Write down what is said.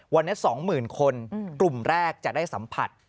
วันนี้๒๐๐๐คนกลุ่มแรกจะได้สัมผัส